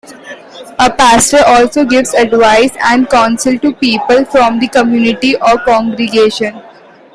A pastor also gives advice and counsel to people from the community or congregation.